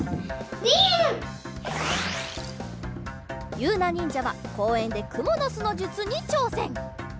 ゆうなにんじゃはこうえんでくものすのじゅつにちょうせん。